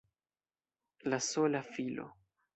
La sola filo!